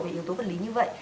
về yếu tố phần lý như vậy